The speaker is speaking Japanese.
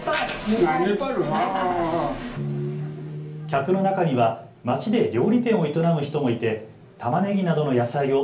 客の中には町で料理店を営む人もいてたまねぎなどの野菜を